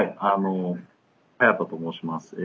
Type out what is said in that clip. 早田と申します。